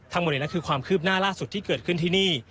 ทั้งหมดนี้คือความคืบหน้าล่าสุดที่เกิดขึ้นที่นี่